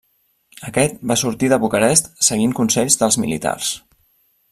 Aquest va sortir de Bucarest seguint consells dels militars.